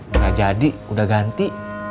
enggak jadi udah ganti